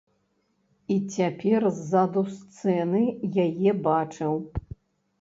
І цяпер ззаду сцэны яе бачыў.